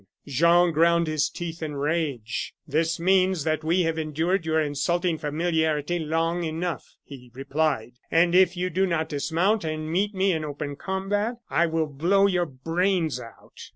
"Jean ground his teeth in rage. 'This means that we have endured your insulting familiarity long enough,' he replied, 'and if you do not dismount and meet me in open combat, I will blow your brains out!